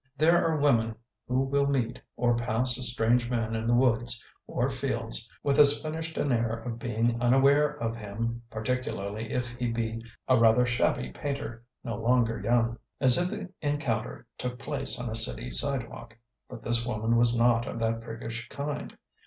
There are women who will meet or pass a strange man in the woods or fields with as finished an air of being unaware of him (particularly if he be a rather shabby painter no longer young) as if the encounter took place on a city sidewalk; but this woman was not of that priggish kind.